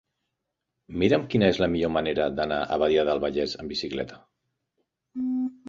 Mira'm quina és la millor manera d'anar a Badia del Vallès amb bicicleta.